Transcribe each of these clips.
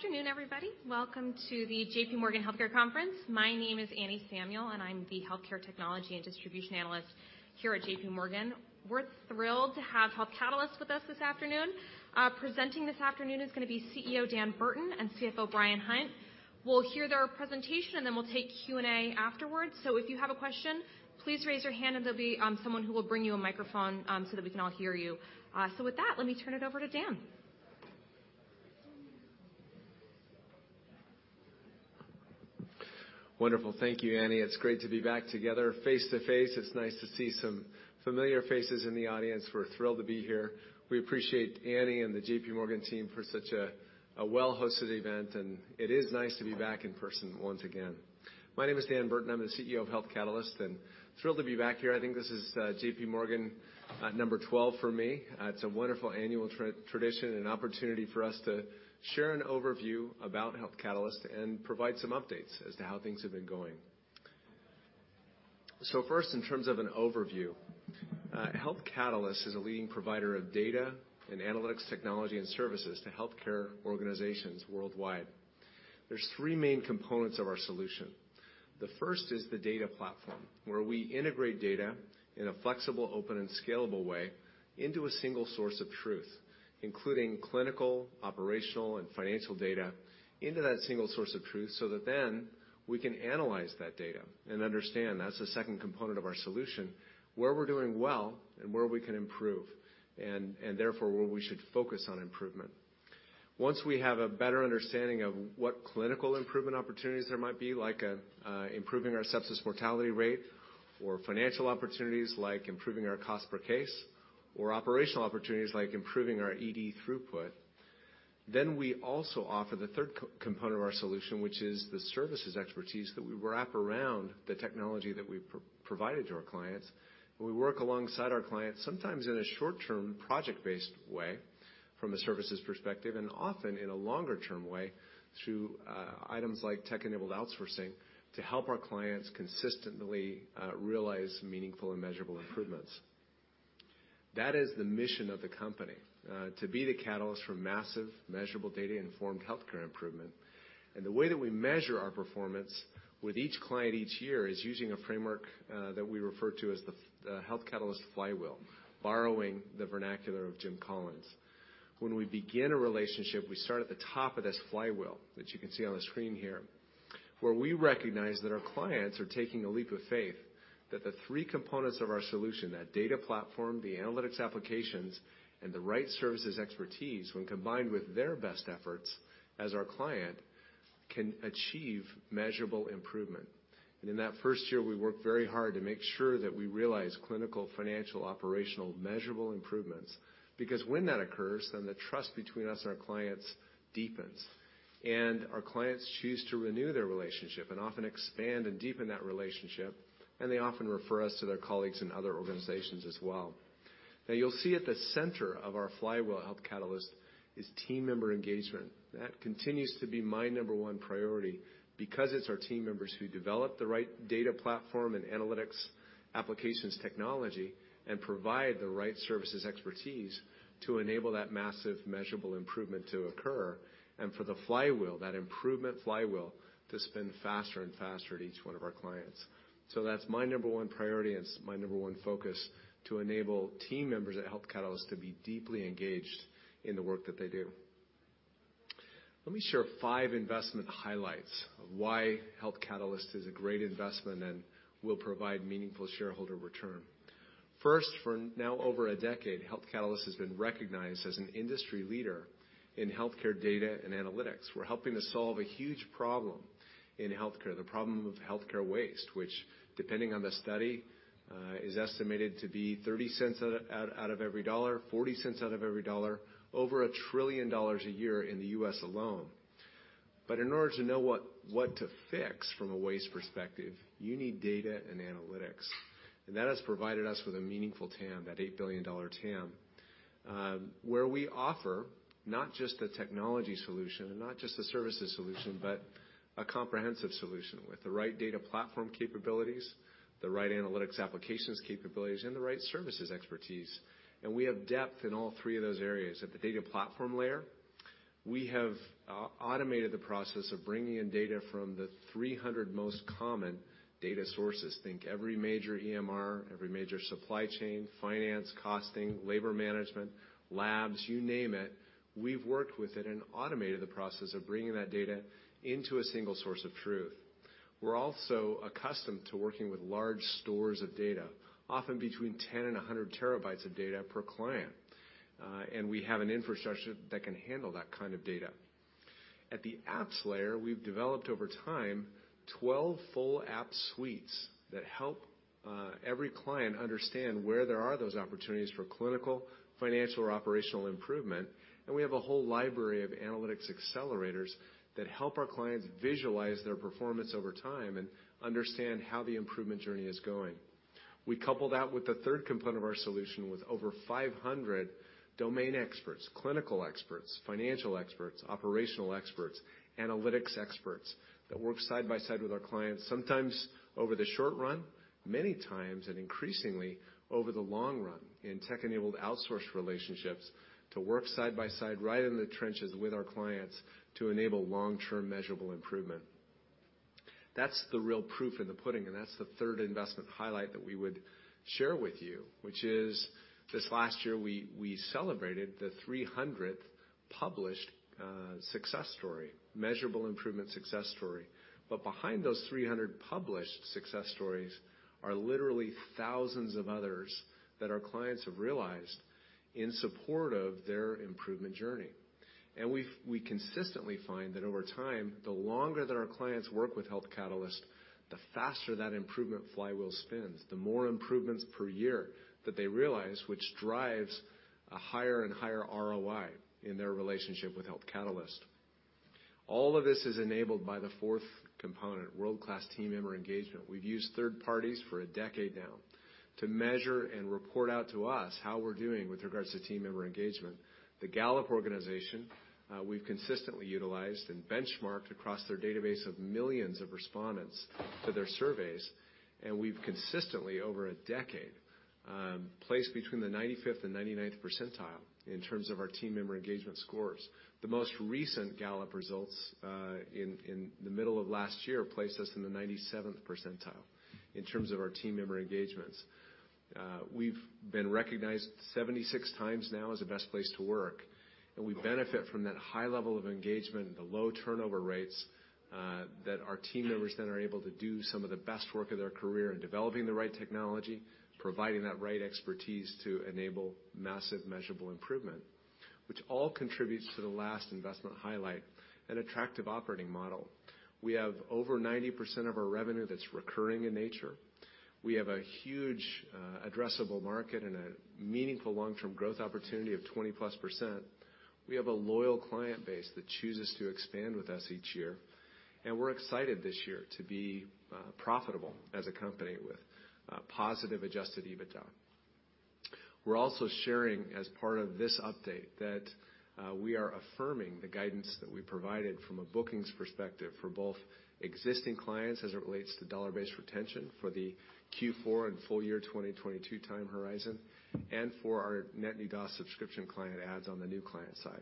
Good afternoon, everybody. Welcome to the JPMorgan Healthcare Conference. My name is Anne Samuel, and I'm the Healthcare Technology and Distribution Analyst here at JPMorgan. We're thrilled to have Health Catalyst with us this afternoon. Presenting this afternoon is gonna be CEO Dan Burton and CFO Bryan Hunt. We'll hear their presentation, and then we'll take Q&A afterwards. If you have a question, please raise your hand and there'll be someone who will bring you a microphone so that we can all hear you. With that, let me turn it over to Dan. Wonderful. Thank you, Anne. It's great to be back together face-to-face. It's nice to see some familiar faces in the audience. We're thrilled to be here. We appreciate Anne and the JPMorgan team for such a well-hosted event. It is nice to be back in person once again. My name is Dan Burton. I'm the CEO of Health Catalyst. Thrilled to be back here. I think this is JPMorgan number 12 for me. It's a wonderful annual tradition and opportunity for us to share an overview about Health Catalyst and provide some updates as to how things have been going. First, in terms of an overview, Health Catalyst is a leading provider of data and analytics technology and services to healthcare organizations worldwide. There's three main components of our solution. The first is the data platform, where we integrate data in a flexible, open, and scalable way into a single source of truth, including clinical, operational, and financial data into that single source of truth so that then we can analyze that data and understand, that's the second component of our solution, where we're doing well and where we can improve, and therefore, where we should focus on improvement. Once we have a better understanding of what clinical improvement opportunities there might be, like improving our sepsis mortality rate or financial opportunities like improving our cost per case, or operational opportunities like improving our ED throughput, we also offer the third co-component of our solution, which is the services expertise that we wrap around the technology that we provide to our clients, and we work alongside our clients, sometimes in a short-term project-based way from a services perspective, and often in a longer-term way through items like tech-enabled outsourcing to help our clients consistently realize meaningful and measurable improvements. That is the mission of the company, to be the catalyst for massive, measurable, data-informed healthcare improvement. The way that we measure our performance with each client each year is using a framework that we refer to as the Health Catalyst Flywheel, borrowing the vernacular of Jim Collins. When we begin a relationship, we start at the top of this Flywheel that you can see on the screen here, where we recognize that our clients are taking a leap of faith that the three components of our solution, that data platform, the analytics applications, and the right services expertise, when combined with their best efforts as our client, can achieve measurable improvement. In that first year, we work very hard to make sure that we realize clinical, financial, operational, measurable improvements. When that occurs, the trust between us and our clients deepens. Our clients choose to renew their relationship and often expand and deepen that relationship. They often refer us to their colleagues in other organizations as well. You'll see at the center of our Flywheel at Health Catalyst is team member engagement. That continues to be my number one priority because it's our team members who develop the right data platform and analytics applications technology and provide the right services expertise to enable that massive measurable improvement to occur. For the Flywheel, that improvement Flywheel, to spin faster and faster at each one of our clients. That's my number one priority and it's my number one focus, to enable team members at Health Catalyst to be deeply engaged in the work that they do. Let me share five investment highlights of why Health Catalyst is a great investment and will provide meaningful shareholder return. First, for now over a decade, Health Catalyst has been recognized as an industry leader in healthcare data and analytics. We're helping to solve a huge problem in healthcare, the problem of healthcare waste, which, depending on the study, is estimated to be $0.30 out of every dollar, $0.40 out of every dollar, over $1 trillion a year in the U.S. alone. In order to know what to fix from a waste perspective, you need data and analytics. That has provided us with a meaningful TAM, that $8 billion TAM, where we offer not just the technology solution and not just the services solution, but a comprehensive solution with the right data platform capabilities, the right analytics applications capabilities, and the right services expertise. We have depth in all three of those areas. At the data platform layer, we have automated the process of bringing in data from the 300 most common data sources. Think every major EMR, every major supply chain, finance, costing, labor management, labs, you name it. We've worked with it and automated the process of bringing that data into a single source of truth. We're also accustomed to working with large stores of data, often between 10 TB and 100 TB of data per client. And we have an infrastructure that can handle that kind of data. At the apps layer, we've developed over time 12 full app suites that help every client understand where there are those opportunities for clinical, financial, or operational improvement. We have a whole library of analytics accelerators that help our clients visualize their performance over time and understand how the improvement journey is going. We couple that with the third component of our solution with over 500 domain experts, clinical experts, financial experts, operational experts, analytics experts that work side by side with our clients, sometimes over the short run, many times and increasingly over the long run in tech-enabled outsource relationships to work side by side right in the trenches with our clients to enable long-term measurable improvement. That's the real proof in the pudding, that's the third investment highlight that we would share with you, which is this last year we celebrated the 300th published success story, measurable improvement success story. Behind those 300 published success stories are literally thousands of others that our clients have realized in support of their improvement journey. We consistently find that over time, the longer that our clients work with Health Catalyst, the faster that improvement Flywheel spins, the more improvements per year that they realize, which drives a higher and higher ROI in their relationship with Health Catalyst. All of this is enabled by the fourth component, world-class team member engagement. We've used third parties for a decade now to measure and report out to us how we're doing with regards to team member engagement. The Gallup organization, we've consistently utilized and benchmarked across their database of millions of respondents to their surveys. We've consistently, over a decade, placed between the 95th and 99th percentile in terms of our team member engagement scores. The most recent Gallup results, in the middle of last year placed us in the 97th percentile in terms of our team member engagements. We've been recognized 76 times now as the best place to work. We benefit from that high level of engagement and the low turnover rates, that our team members then are able to do some of the best work of their career in developing the right technology, providing that right expertise to enable massive measurable improvement. All contributes to the last investment highlight, an attractive operating model. We have over 90% of our revenue that's recurring in nature. We have a huge addressable market and a meaningful long-term growth opportunity of 20%+. We have a loyal client base that chooses to expand with us each year, and we're excited this year to be profitable as a company with positive adjusted EBITDA. We're also sharing, as part of this update, that we are affirming the guidance that we provided from a bookings perspective for both existing clients as it relates to dollar-based retention for the Q4 and full year 2022 time horizon and for our net new GA subscription client adds on the new client side.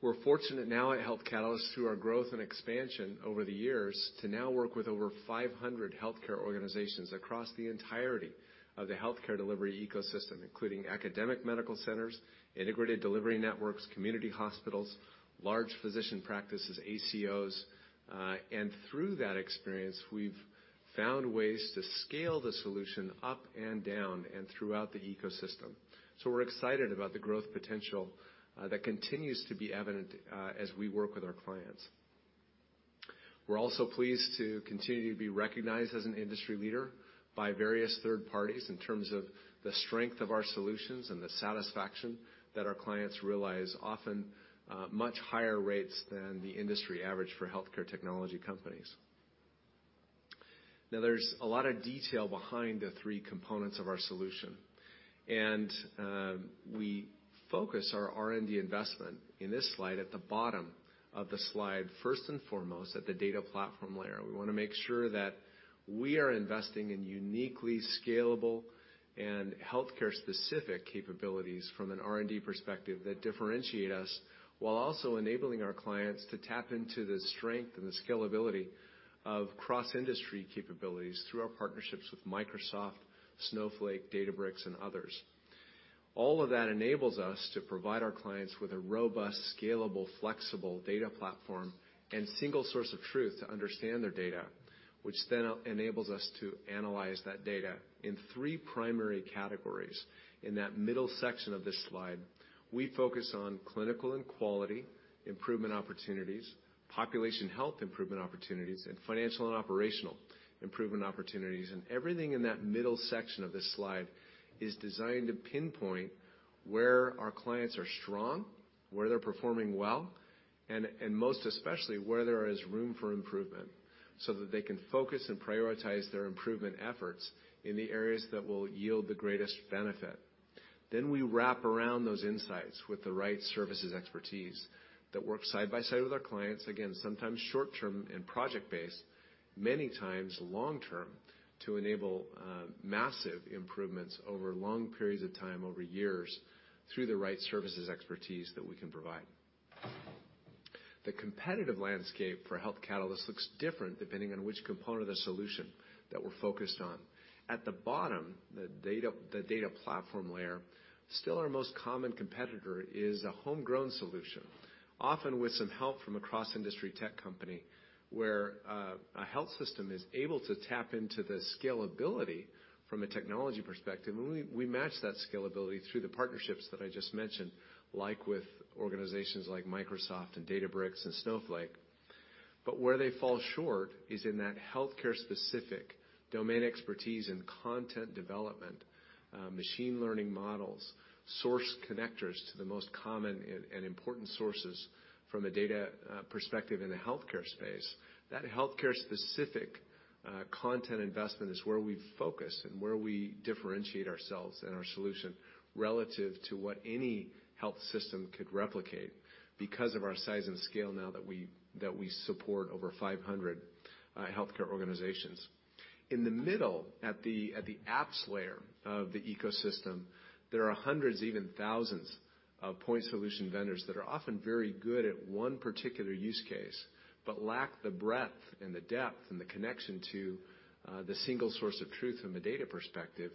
We're fortunate now at Health Catalyst through our growth and expansion over the years to now work with over 500 healthcare organizations across the entirety of the healthcare delivery ecosystem, including academic medical centers, integrated delivery networks, community hospitals, large physician practices, ACOs. Through that experience, we've found ways to scale the solution up and down and throughout the ecosystem. We're excited about the growth potential that continues to be evident as we work with our clients. We're also pleased to continue to be recognized as an industry leader by various third parties in terms of the strength of our solutions and the satisfaction that our clients realize often, much higher rates than the industry average for healthcare technology companies. There's a lot of detail behind the three components of our solution, and we focus our R&D investment in this slide at the bottom of the slide, first and foremost, at the data platform layer. We wanna make sure that we are investing in uniquely scalable and healthcare-specific capabilities from an R&D perspective that differentiate us while also enabling our clients to tap into the strength and the scalability of cross-industry capabilities through our partnerships with Microsoft, Snowflake, Databricks and others. All of that enables us to provide our clients with a robust, scalable, flexible data platform and single source of truth to understand their data, which then enables us to analyze that data in three primary categories. In that middle section of this slide, we focus on clinical and quality improvement opportunities, population health improvement opportunities, and financial and operational improvement opportunities. Everything in that middle section of this slide is designed to pinpoint where our clients are strong, where they're performing well, and most especially, where there is room for improvement, so that they can focus and prioritize their improvement efforts in the areas that will yield the greatest benefit. We wrap around those insights with the right services expertise that work side by side with our clients, again, sometimes short term and project-based, many times long term, to enable massive improvements over long periods of time, over years, through the right services expertise that we can provide. The competitive landscape for Health Catalyst looks different depending on which component of the solution that we're focused on. At the bottom, the data platform layer, still our most common competitor is a homegrown solution, often with some help from a cross-industry tech company, where a health system is able to tap into the scalability from a technology perspective, and we match that scalability through the partnerships that I just mentioned, like with organizations like Microsoft and Databricks and Snowflake. Where they fall short is in that healthcare-specific domain expertise and content development, machine learning models, source connectors to the most common and important sources from a data perspective in the healthcare space. That healthcare-specific content investment is where we focus and where we differentiate ourselves and our solution relative to what any health system could replicate because of our size and scale now that we support over 500 healthcare organizations. In the middle, at the apps layer of the ecosystem, there are hundreds, even thousands of point solution vendors that are often very good at one particular use case, but lack the breadth and the depth and the connection to the single source of truth from a data perspective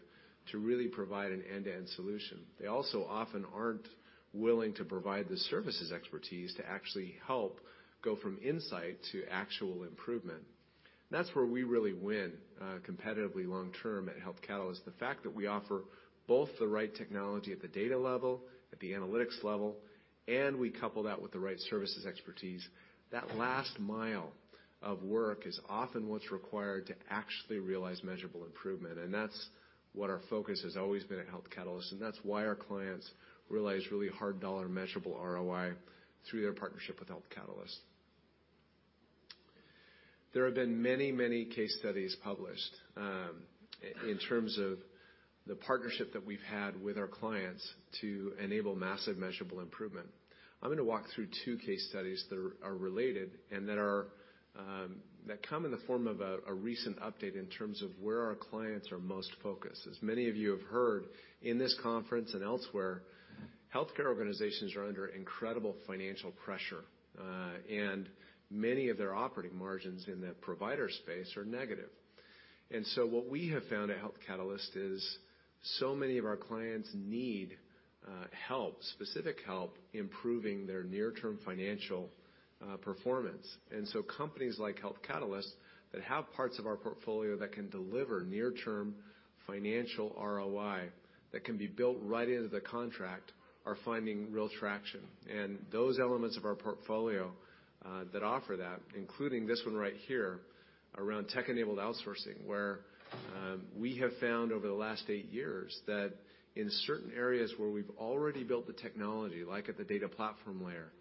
to really provide an end-to-end solution. They also often aren't willing to provide the services expertise to actually help go from insight to actual improvement. That's where we really win competitively long-term at Health Catalyst. The fact that we offer both the right technology at the data level, at the analytics level, and we couple that with the right services expertise. That last mile of work is often what's required to actually realize measurable improvement. That's what our focus has always been at Health Catalyst, and that's why our clients realize really hard dollar measurable ROI through their partnership with Health Catalyst. There have been many, many case studies published in terms of the partnership that we've had with our clients to enable massive measurable improvement. I'm gonna walk through two case studies that are related and that come in the form of a recent update in terms of where our clients are most focused. As many of you have heard in this conference and elsewhere, healthcare organizations are under incredible financial pressure, and many of their operating margins in the provider space are negative. What we have found at Health Catalyst is so many of our clients need help, specific help improving their near-term financial performance. Companies like Health Catalyst that have parts of our portfolio that can deliver near-term financial ROI that can be built right into the contract, are finding real traction. Those elements of our portfolio, that offer that, including this one right here, around tech-enabled outsourcing. We have found over the last eight years that in certain areas where we've already built the technology, like at the data platform layer,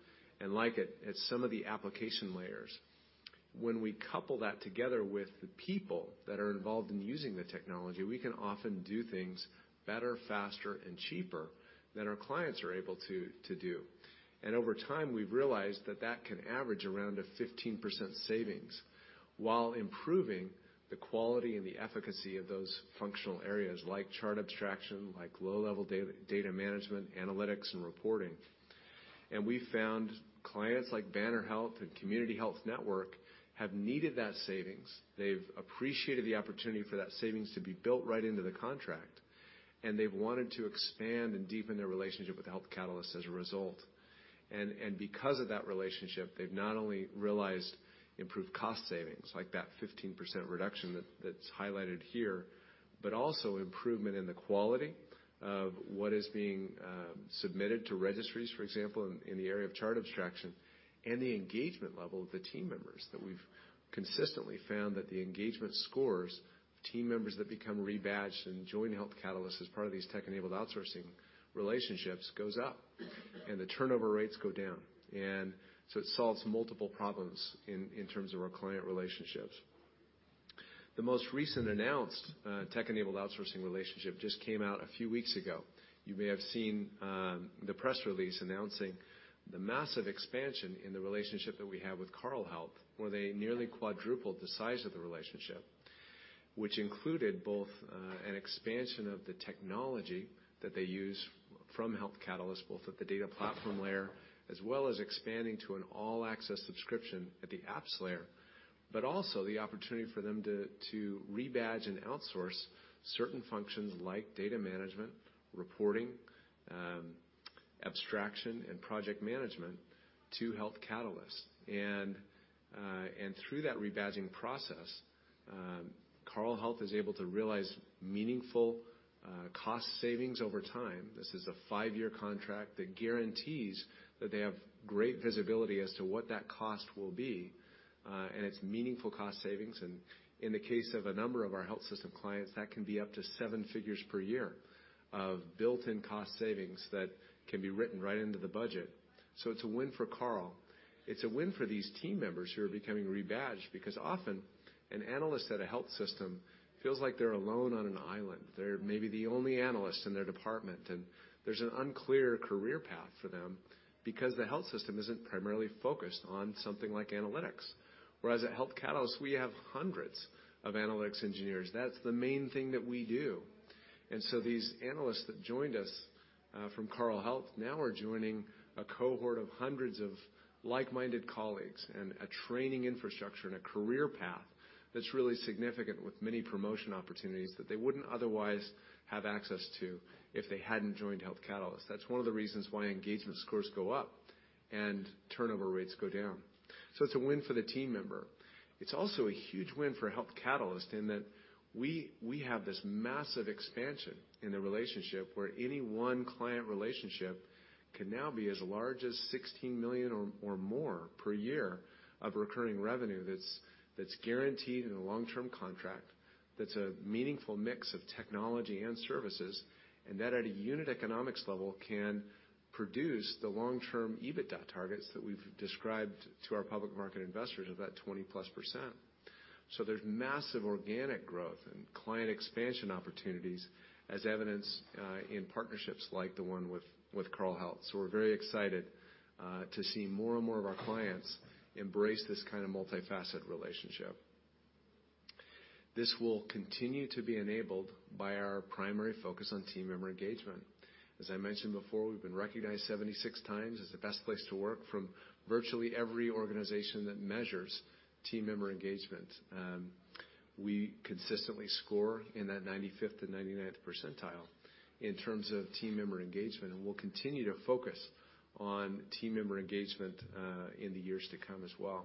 and like at some of the application layers, when we couple that together with the people that are involved in using the technology, we can often do things better, faster and cheaper than our clients are able to do. Over time, we've realized that that can average around a 15% savings while improving the quality and the efficacy of those functional areas like chart abstraction, like low-level data management, analytics and reporting. We found clients like Banner Health and Community Health Network have needed that savings. They've appreciated the opportunity for that savings to be built right into the contract, and they've wanted to expand and deepen their relationship with Health Catalyst as a result. Because of that relationship, they've not only realized improved cost savings, like that 15% reduction that's highlighted here, but also improvement in the quality of what is being submitted to registries, for example, in the area of chart abstraction, and the engagement level of the team members that we've consistently found that the engagement scores of team members that become rebadged and join Health Catalyst as part of these tech-enabled outsourcing relationships goes up and the turnover rates go down. It solves multiple problems in terms of our client relationships. The most recent announced tech-enabled outsourcing relationship just came out a few weeks ago. You may have seen the press release announcing the massive expansion in the relationship that we have with Carle Health, where they nearly quadrupled the size of the relationship. Which included both an expansion of the technology that they use from Health Catalyst, both at the data platform layer as well as expanding to an all-access subscription at the apps layer. But also the opportunity for them to rebadge and outsource certain functions like data management, reporting, abstraction and project management to Health Catalyst. Through that rebadging process, Carle Health is able to realize meaningful cost savings over time. This is a five-year contract that guarantees that they have great visibility as to what that cost will be, and its meaningful cost savings. In the case of a number of our health system clients, that can be up to seven figures per year of built-in cost savings that can be written right into the budget. It's a win for Carle. It's a win for these team members who are becoming rebadged because often an analyst at a health system feels like they're alone on an island. They're maybe the only analyst in their department, and there's an unclear career path for them because the health system isn't primarily focused on something like analytics. Whereas at Health Catalyst, we have hundreds of analytics engineers. That's the main thing that we do. These analysts that joined us from Carle Health now are joining a cohort of hundreds of like-minded colleagues and a training infrastructure and a career path that's really significant with many promotion opportunities that they wouldn't otherwise have access to if they hadn't joined Health Catalyst. That's one of the reasons why engagement scores go up and turnover rates go down. It's a win for the team member. It's also a huge win for Health Catalyst in that we have this massive expansion in the relationship where any one client relationship can now be as large as $16 million or more per year of recurring revenue that's guaranteed in a long-term contract. That's a meaningful mix of technology and services, that at a unit economics level can produce the long-term EBITDA targets that we've described to our public market investors of that 20%+. There's massive organic growth and client expansion opportunities as evidenced in partnerships like the one with Carle Health. We're very excited to see more and more of our clients embrace this kind of multi-facet relationship. This will continue to be enabled by our primary focus on team member engagement. As I mentioned before, we've been recognized 76 times as the best place to work from virtually every organization that measures team member engagement. We consistently score in that 95th to 99th percentile in terms of team member engagement, and we'll continue to focus on team member engagement in the years to come as well.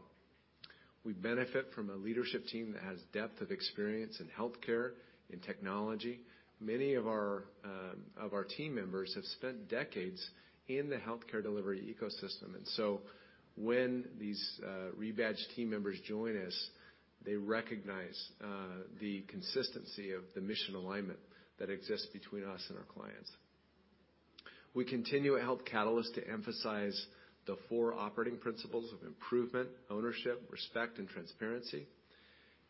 We benefit from a leadership team that has depth of experience in healthcare and technology. Many of our team members have spent decades in the healthcare delivery ecosystem, when these rebadged team members join us, they recognize the consistency of the mission alignment that exists between us and our clients. We continue at Health Catalyst to emphasize the four operating principles of improvement, ownership, respect, and transparency,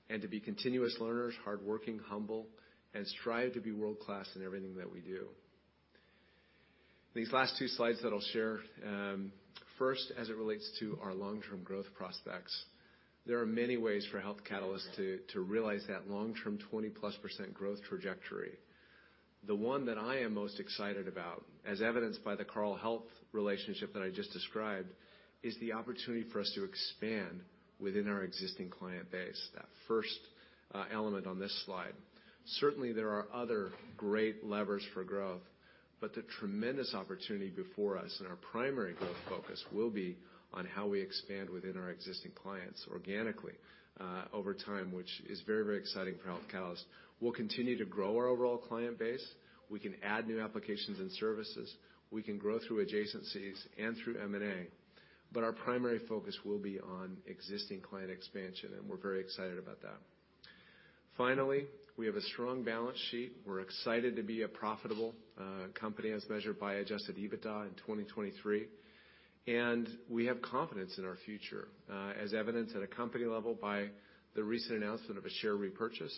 and to be continuous learners, hardworking, humble, and strive to be world-class in everything that we do. These last two slides that I'll share, first, as it relates to our long-term growth prospects, there are many ways for Health Catalyst to realize that long-term 20%+ growth trajectory. The one that I am most excited about, as evidenced by the Carle Health relationship that I just described, is the opportunity for us to expand within our existing client base, that first element on this slide. Certainly, there are other great levers for growth, but the tremendous opportunity before us and our primary growth focus will be on how we expand within our existing clients organically over time, which is very, very exciting for Health Catalyst. We'll continue to grow our overall client base. We can add new applications and services. We can grow through adjacencies and through M&A, but our primary focus will be on existing client expansion, and we're very excited about that. Finally, we have a strong balance sheet. We're excited to be a profitable company as measured by adjusted EBITDA in 2023, and we have confidence in our future as evidenced at a company level by the recent announcement of a share repurchase.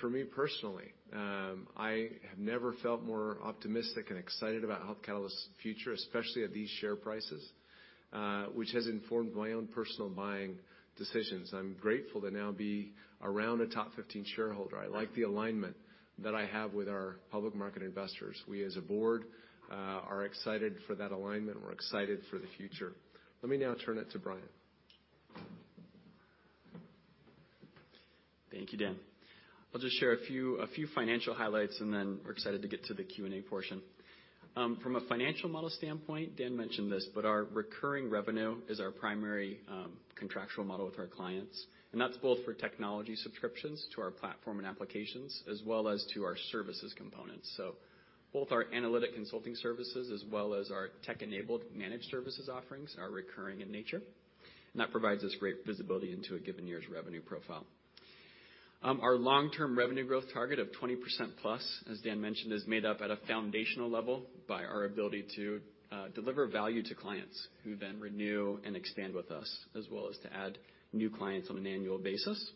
For me personally, I have never felt more optimistic and excited about Health Catalyst's future, especially at these share prices, which has informed my own personal buying decisions. I'm grateful to now be around a top 15 shareholder. I like the alignment that I have with our public market investors. We as a board are excited for that alignment. We're excited for the future. Let me now turn it to Bryan. Thank you, Dan. I'll just share a few financial highlights, and then we're excited to get to the Q&A portion. From a financial model standpoint, Dan mentioned this, but our recurring revenue is our primary contractual model with our clients, and that's both for technology subscriptions to our platform and applications as well as to our services components. Both our analytic consulting services as well as our tech-enabled managed services offerings are recurring in nature, and that provides us great visibility into a given year's revenue profile. Our long-term revenue growth target of 20%+, as Dan mentioned, is made up at a foundational level by our ability to deliver value to clients who then renew and expand with us, as well as to add new clients on an annual basis.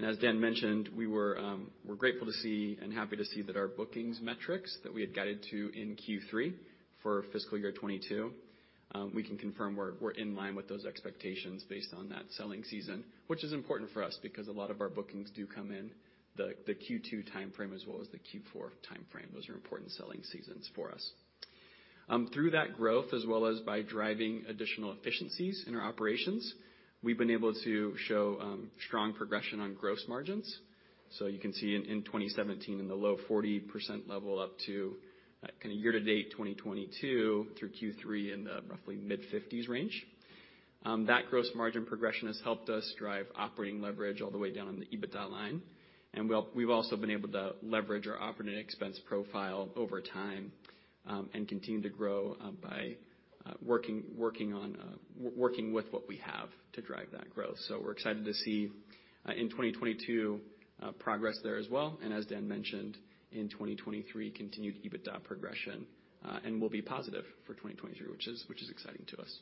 As Dan mentioned, we're grateful to see and happy to see that our bookings metrics that we had guided to in Q3 for fiscal year 2022, we can confirm we're in line with those expectations based on that selling season, which is important for us because a lot of our bookings do come in the Q2 timeframe as well as the Q4 timeframe. Those are important selling seasons for us. Through that growth, as well as by driving additional efficiencies in our operations, we've been able to show strong progression on gross margins. You can see in 2017 in the low 40% level up to year to date 2022 through Q3 in the roughly mid-50s range. That gross margin progression has helped us drive operating leverage all the way down on the EBITDA line. We've also been able to leverage our operating expense profile over time and continue to grow by working with what we have to drive that growth. We're excited to see in 2022 progress there as well, and as Dan mentioned, in 2023, continued EBITDA progression and will be positive for 2023, which is exciting to us.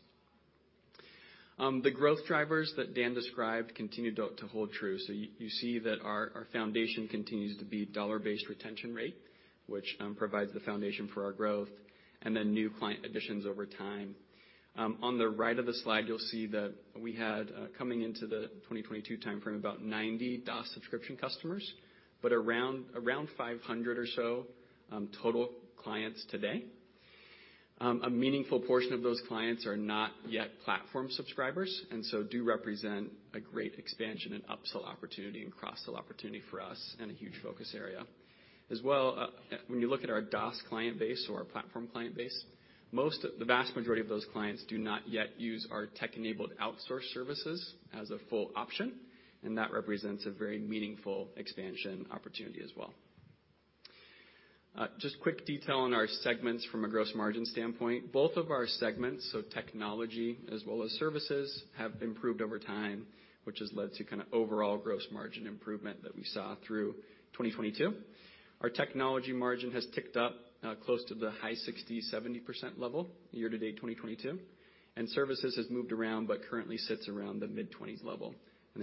The growth drivers that Dan described continue to hold true. You see that our foundation continues to be dollar-based retention rate, which provides the foundation for our growth, and then new client additions over time. On the right of the slide, you'll see that we had coming into the 2022 timeframe, about 90 DaaS subscription customers, but around 500 or so, total clients today. A meaningful portion of those clients are not yet platform subscribers, do represent a great expansion and upsell opportunity and cross-sell opportunity for us and a huge focus area. As well, when you look at our DaaS client base or our platform client base, the vast majority of those clients do not yet use our tech-enabled outsource services as a full option, and that represents a very meaningful expansion opportunity as well. Just quick detail on our segments from a gross margin standpoint. Both of our segments, so technology as well as services, have improved over time, which has led to kind of overall gross margin improvement that we saw through 2022. Our technology margin has ticked up close to the high 60%-70% level year-to-date 2022. Services has moved around but currently sits around the mid-20s level.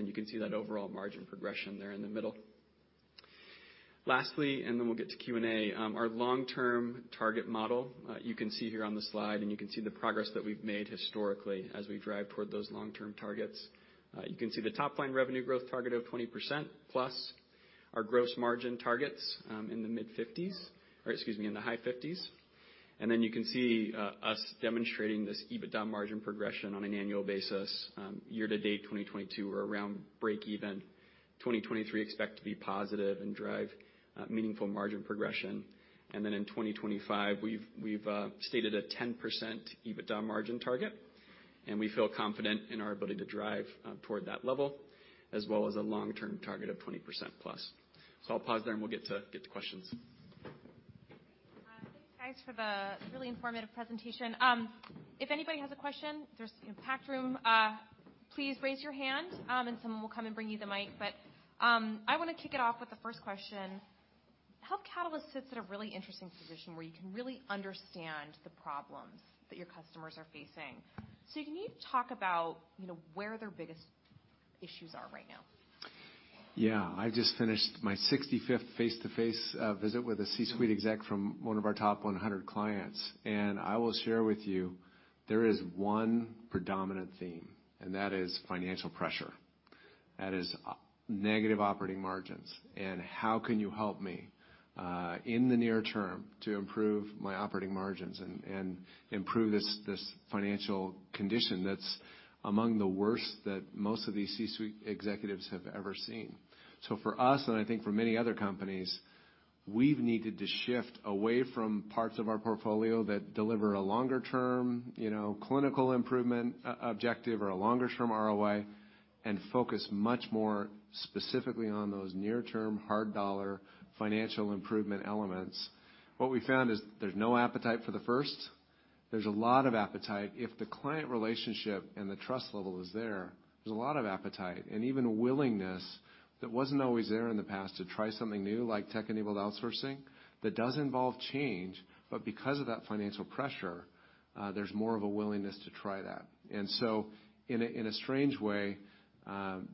You can see that overall margin progression there in the middle. Lastly, and then we'll get to Q&A, our long-term target model, you can see here on the slide, and you can see the progress that we've made historically as we drive toward those long-term targets. You can see the top line revenue growth target of 20%+, our gross margin targets in the high 50s. You can see us demonstrating this EBITDA margin progression on an annual basis. Year-to-date 2022, we're around break even. 2023 expect to be positive and drive meaningful margin progression. In 2025, we've stated a 10% EBITDA margin target, and we feel confident in our ability to drive toward that level as well as a long-term target of 20%+. I'll pause there, and we'll get to questions. Thanks, guys, for the really informative presentation. If anybody has a question, there's, you know, packed room, please raise your hand, and someone will come and bring you the mic. I wanna kick it off with the first question. Health Catalyst sits at a really interesting position where you can really understand the problems that your customers are facing. Can you talk about, you know, where their biggest issues are right now? I just finished my 65th face-to-face visit with a C-suite exec from one of our top 100 clients. I will share with you there is one predominant theme. That is financial pressure. That is, negative operating margins, and how can you help me in the near term to improve my operating margins and improve this financial condition that's among the worst that most of these C-suite executives have ever seen. For us, and I think for many other companies, we've needed to shift away from parts of our portfolio that deliver a longer term, you know, clinical improvement objective or a longer term ROI and focus much more specifically on those near term, hard dollar financial improvement elements. What we found is there's no appetite for the first. There's a lot of appetite if the client relationship and the trust level is there's a lot of appetite and even willingness that wasn't always there in the past to try something new like tech-enabled outsourcing that does involve change. Because of that financial pressure, there's more of a willingness to try that. In a, in a strange way,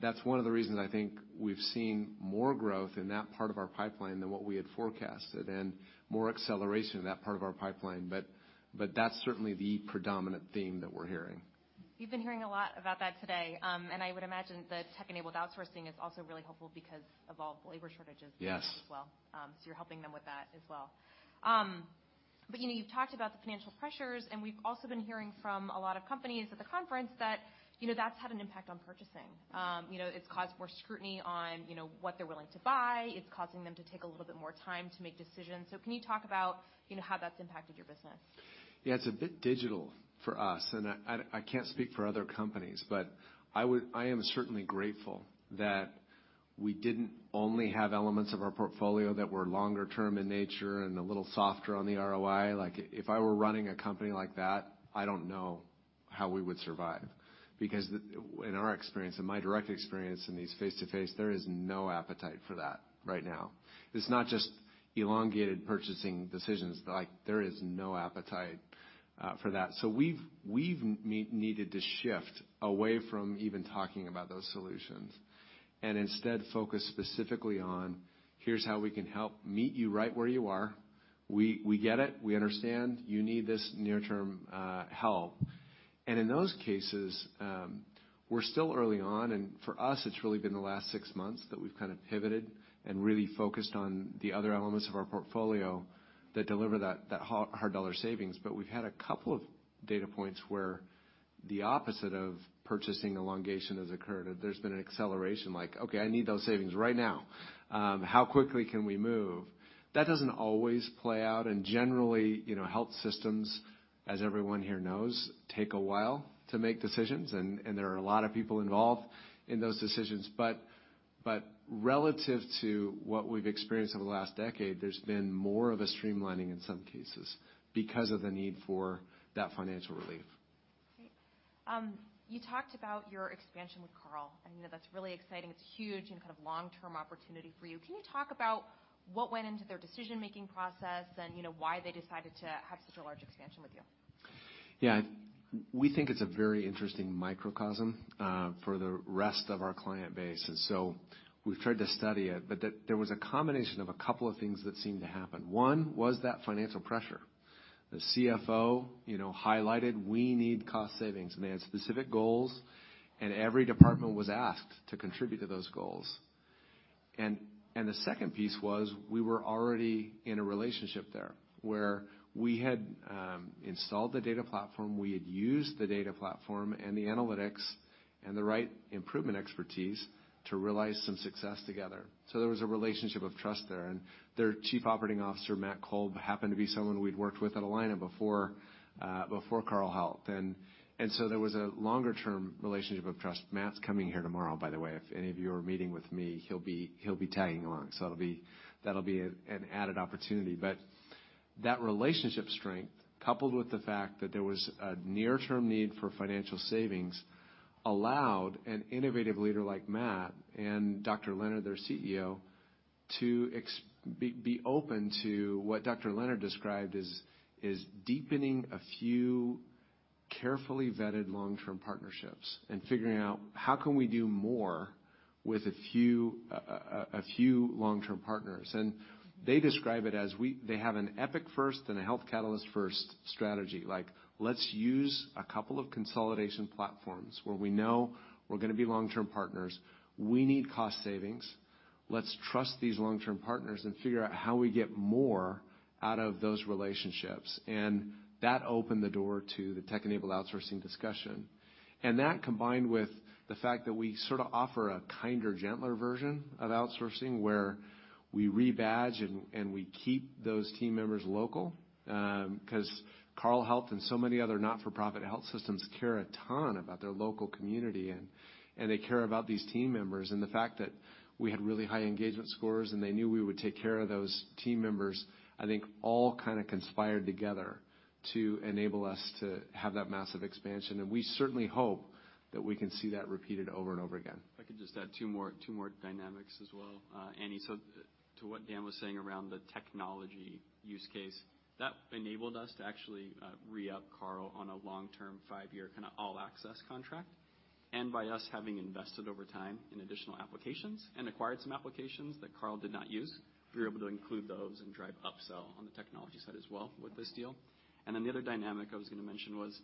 that's one of the reasons I think we've seen more growth in that part of our pipeline than what we had forecasted and more acceleration in that part of our pipeline. That's certainly the predominant theme that we're hearing. We've been hearing a lot about that today, I would imagine the tech-enabled outsourcing is also really helpful because of all the labor shortages as well. Yes You're helping them with that as well. You know, you've talked about the financial pressures, and we've also been hearing from a lot of companies at the conference that, you know, that's had an impact on purchasing. You know, it's caused more scrutiny on, you know, what they're willing to buy. It's causing them to take a little bit more time to make decisions. Can you talk about, you know, how that's impacted your business? Yeah, it's a bit digital for us, and I can't speak for other companies, but I am certainly grateful that we didn't only have elements of our portfolio that were longer term in nature and a little softer on the ROI. If I were running a company like that, I don't know how we would survive. In our experience, in my direct experience in these face-to-face, there is no appetite for that right now. It's not just elongated purchasing decisions. There is no appetite for that. We've needed to shift away from even talking about those solutions and instead focus specifically on, here's how we can help meet you right where you are. We get it. We understand you need this near-term help. In those cases, we're still early on, and for us, it's really been the last six months that we've kind of pivoted and really focused on the other elements of our portfolio that deliver that, hard dollar savings. We've had a couple of data points where the opposite of purchasing elongation has occurred, and there's been an acceleration like, "Okay, I need those savings right now. How quickly can we move?" That doesn't always play out, and generally, you know, health systems, as everyone here knows, take a while to make decisions. There are a lot of people involved in those decisions. Relative to what we've experienced over the last decade, there's been more of a streamlining in some cases because of the need for that financial relief. Great. You talked about your expansion with Carle. I know that's really exciting. It's huge and kind of long-term opportunity for you. Can you talk about what went into their decision-making process and, you know, why they decided to have such a large expansion with you? Yeah. We think it's a very interesting microcosm for the rest of our client base, we've tried to study it. There was a combination of a couple of things that seemed to happen. One was that financial pressure. The CFO, you know, highlighted, "We need cost savings." They had specific goals, and every department was asked to contribute to those goals. The second piece was we were already in a relationship there, where we had installed the data platform, we had used the data platform and the analytics and the right improvement expertise to realize some success together. There was a relationship of trust there. Their Chief Operating Officer, Matt Kolb, happened to be someone we'd worked with at Allina before Carle Health. There was a longer-term relationship of trust. Matt's coming here tomorrow, by the way. If any of you are meeting with me, he'll be tagging along. That'll be an added opportunity. That relationship strength, coupled with the fact that there was a near-term need for financial savings, allowed an innovative leader like Matt and Dr. Leonard, their CEO, to be open to what Dr. Leonard described as deepening a few carefully vetted long-term partnerships and figuring out how can we do more with a few long-term partners. They describe it as they have an Epic-first and a Health Catalyst-first strategy. Like, let's use a couple of consolidation platforms where we know we're gonna be long-term partners. We need cost savings. Let's trust these long-term partners and figure out how we get more out of those relationships. That opened the door to the tech-enabled outsourcing discussion. That, combined with the fact that we sorta offer a kinder, gentler version of outsourcing, where we rebadge and we keep those team members local, 'cause Carle Health and so many other not-for-profit health systems care a ton about their local community and they care about these team members. The fact that we had really high engagement scores, and they knew we would take care of those team members, I think all kinda conspired together to enable us to have that massive expansion. We certainly hope that we can see that repeated over and over again. If I could just add two more, two more dynamics as well. Anne, to what Dan was saying around the technology use case, that enabled us to actually re-up Carle on a long-term, five-year kinda all-access contract. By us having invested over time in additional applications and acquired some applications that Carle did not use, we were able to include those and drive upsell on the technology side as well with this deal. The other dynamic I was gonna mention was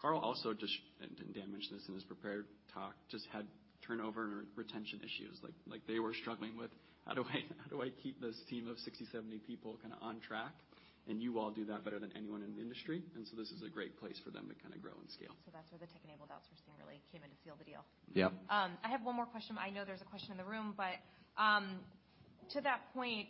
Carle also just, and Dan mentioned this in his prepared talk, just had turnover and retention issues. Like, they were struggling with how do I keep this team of 60, 70 people kinda on track? You all do that better than anyone in the industry, and so this is a great place for them to kinda grow and scale. That's where the tech-enabled outsourcing really came in to seal the deal. Yep. I have one more question. I know there's a question in the room, but, to that point,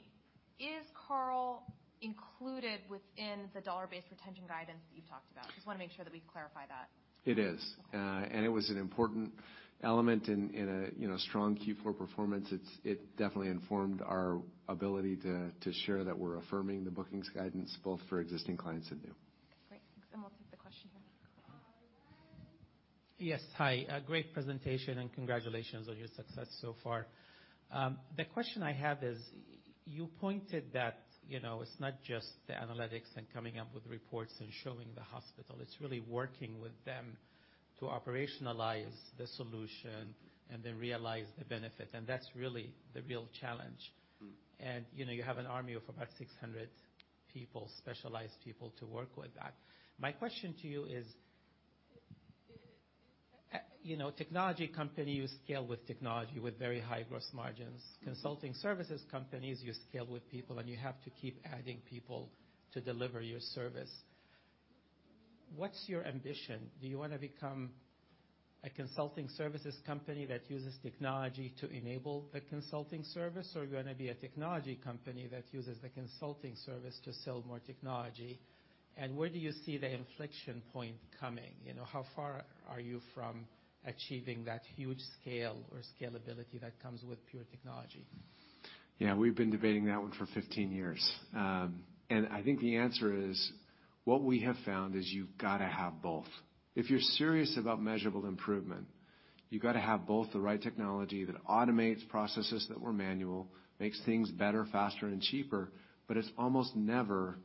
is Carle included within the dollar-based retention guidance that you've talked about? Just wanna make sure that we clarify that. It is. It was an important element in a, you know, strong Q4 performance. It's, it definitely informed our ability to share that we're affirming the bookings guidance both for existing clients and new. Great. Thanks. We'll take the question here. Yes. Hi. A great presentation, and congratulations on your success so far. The question I have is, you pointed that, you know, it's not just the analytics and coming up with reports and showing the hospital, it's really working with them to operationalize the solution and then realize the benefit, and that's really the real challenge. Mm. You know, you have an army of about 600 people, specialized people, to work with that. My question to you is, you know, technology companies scale with technology with very high gross margins. Consulting services companies, you scale with people, and you have to keep adding people to deliver your service. What's your ambition? Do you wanna become a consulting services company that uses technology to enable the consulting service, or are you gonna be a technology company that uses the consulting service to sell more technology? Where do you see the inflection point coming? You know, how far are you from achieving that huge scale or scalability that comes with pure technology? Yeah. We've been debating that one for 15 years. I think the answer is, what we have found is you've gotta have both. If you're serious about measurable improvement, you've gotta have both the right technology that automates processes that were manual, makes things better, faster, and cheaper, but it's almost never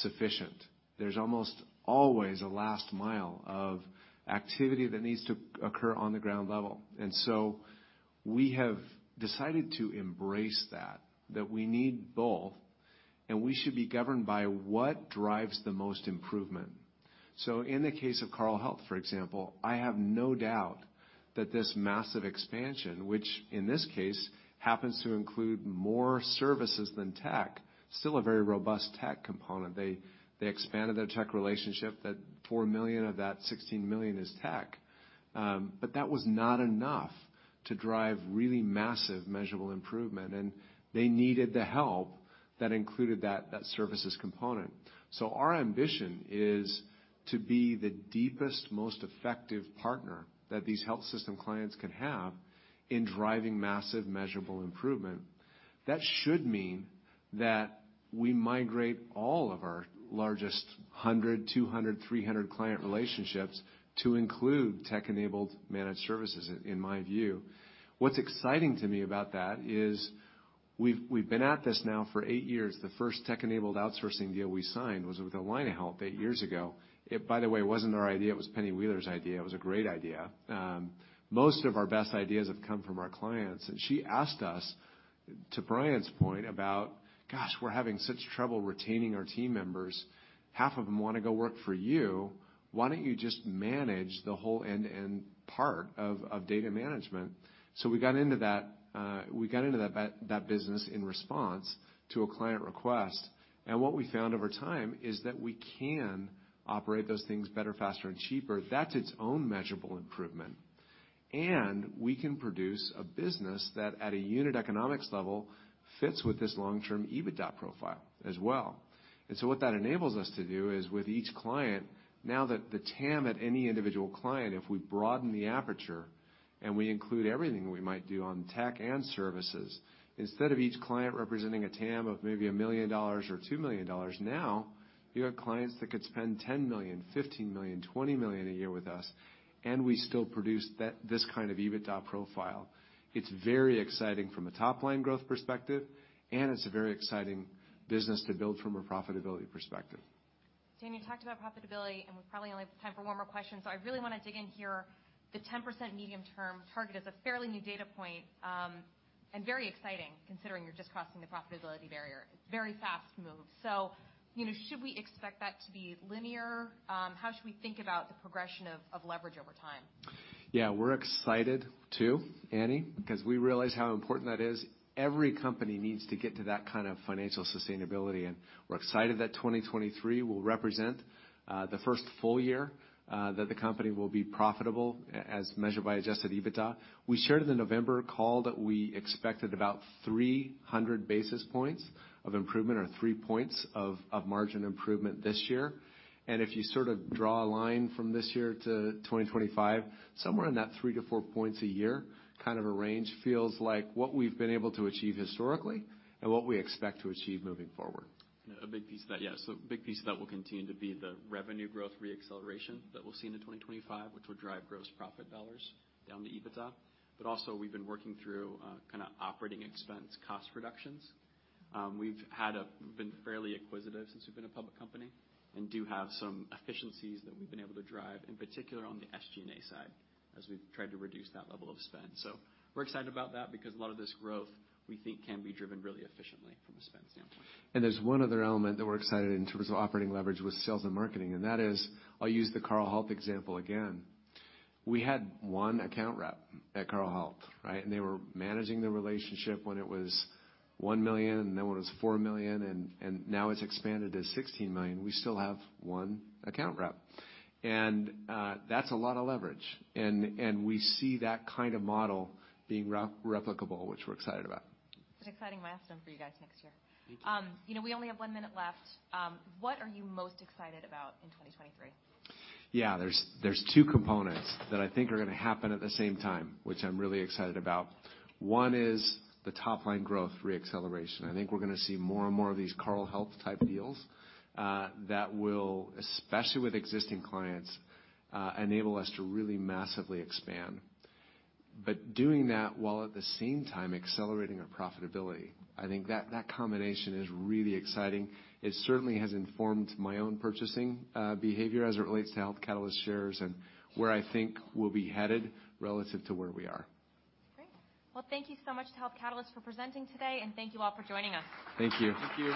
sufficient. There's almost always a last mile of activity that needs to occur on the ground level. We have decided to embrace that we need both, and we should be governed by what drives the most improvement. In the case of Carle Health, for example, I have no doubt that this massive expansion, which in this case happens to include more services than tech, still a very robust tech component. They, they expanded their tech relationship, that $4 million of that $16 million is tech. That was not enough to drive really massive measurable improvement, and they needed the help that included that services component. Our ambition is to be the deepest, most effective partner that these health system clients can have in driving massive measurable improvement. That should mean that we migrate all of our largest 100, 200, 300 client relationships to include tech-enabled managed services in my view. What's exciting to me about that is we've been at this now for eight years. The first tech-enabled outsourcing deal we signed was with Allina Health eight years ago. It, by the way, wasn't our idea. It was Penny Wheeler's idea. It was a great idea. Most of our best ideas have come from our clients, and she asked us, to Bryan's point, about, "Gosh, we're having such trouble retaining our team members. Half of them wanna go work for you. Why don't you just manage the whole end-to-end part of data management? We got into that, we got into that business in response to a client request. What we found over time is that we can operate those things better, faster, and cheaper. That's its own measurable improvement. We can produce a business that, at a unit economics level, fits with this long-term EBITDA profile as well. What that enables us to do is, with each client, now that the TAM at any individual client, if we broaden the aperture and we include everything we might do on tech and services, instead of each client representing a TAM of maybe $1 million or $2 million, now you have clients that could spend $10 million, $15 million, $20 million a year with us, and we still produce this kind of EBITDA profile. It's very exciting from a top-line growth perspective, it's a very exciting business to build from a profitability perspective. Dan, you talked about profitability, and we probably only have time for one more question. I really want to dig in here. The 10% medium-term target is a fairly new data point, and very exciting considering you're just crossing the profitability barrier. It's very fast move. You know, should we expect that to be linear? How should we think about the progression of leverage over time? We're excited too, Anne, because we realize how important that is. Every company needs to get to that kind of financial sustainability. We're excited that 2023 will represent the first full year that the company will be profitable as measured by adjusted EBITDA. We shared in the November call that we expected about 300 basis points of improvement or three points of margin improvement this year. If you sort of draw a line from this year to 2025, somewhere in that three to four points a year, kind of a range feels like what we've been able to achieve historically and what we expect to achieve moving forward. A big piece of that, yeah. A big piece of that will continue to be the revenue growth re-acceleration that we'll see into 2025, which will drive gross profit dollars down to EBITDA. Also, we've been working through kinda operating expense cost reductions. We've been fairly acquisitive since we've been a public company and do have some efficiencies that we've been able to drive, in particular on the SG&A side, as we've tried to reduce that level of spend. We're excited about that because a lot of this growth, we think, can be driven really efficiently from a spend standpoint. There's one other element that we're excited in terms of operating leverage with sales and marketing, and that is, I'll use the Carle Health example again. We had one account rep at Carle Health, right? They were managing the relationship when it was $1 million, and then when it was $4 million, and now it's expanded to $16 million. We still have one account rep. That's a lot of leverage. We see that kind of model being replicable, which we're excited about. It's an exciting milestone for you guys next year. Thank you. You know, we only have one minute left. What are you most excited about in 2023? Yeah, there's two components that I think are gonna happen at the same time, which I'm really excited about. One is the top line growth re-acceleration. I think we're gonna see more and more of these Carle Health type deals that will, especially with existing clients, enable us to really massively expand. Doing that while at the same time accelerating our profitability, I think that combination is really exciting. It certainly has informed my own purchasing behavior as it relates to Health Catalyst shares and where I think we'll be headed relative to where we are. Great. Well, thank you so much to Health Catalyst for presenting today, and thank you all for joining us. Thank you. Thank you.